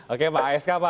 oke pak ask pak